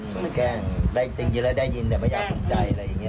มันแกล้งได้จริงแล้วได้ยินแต่ไม่อยากสนใจอะไรอย่างนี้